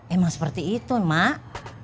emang seperti itu mak